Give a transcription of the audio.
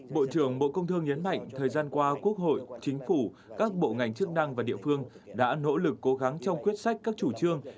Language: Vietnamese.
bộ trưởng bộ công thương nhấn mạnh thời gian qua quốc hội chính phủ các bộ ngành chức năng và địa phương đã nỗ lực cố gắng trong quyết sách các chủ trương